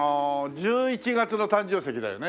１１月の誕生石だよね。